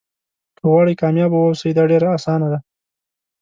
که غواړئ کامیابه واوسئ دا ډېره اسانه ده.